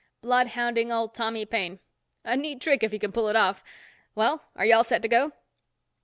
Bloodhounding old Tommy Paine. A neat trick if you can pull it off. Well, are you all set to go?"